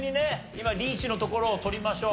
今リーチのところを取りましょう。